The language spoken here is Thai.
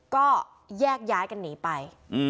ก็แยกย้ายกันหนีไป